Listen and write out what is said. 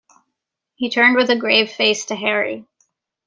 He turned with a grave face to Harry.